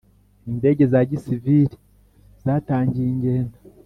Indege za Gisivili zatangiye ingendo